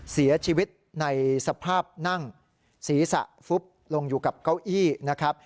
เสียชีวิตในสภาพนั่งศีรษะฟุบลงอยู่กับเก้าอี้นะครับ